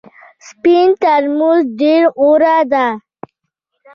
سپین ترموز ډېر غوره دی .